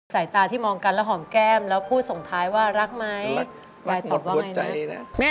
รายการต่อไปนี้เป็นรายการทั่วไปสามารถรับชมได้ทุกวัย